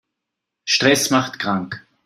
Stress macht krank.